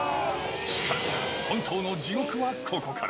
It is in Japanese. しかし、本当の地獄はここから。